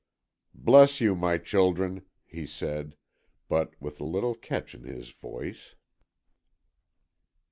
"Bless you, my children," he said, but with a little catch in his voice.